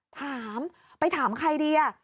ถามไปถามใครดีอ่ะ